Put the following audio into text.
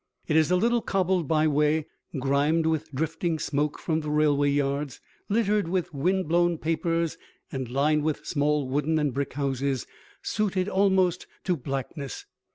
It is a little cobbled byway, grimed with drifting smoke from the railway yards, littered with wind blown papers and lined with small wooden and brick houses sooted almost to blackness.